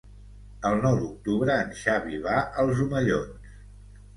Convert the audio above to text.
El nou d'octubre en Xavi va als Omellons.